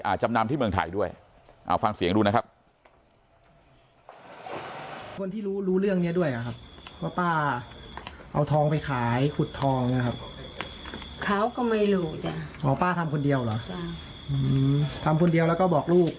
จำนำที่เมืองไทยด้วยเอาฟังเสียงดูนะครับ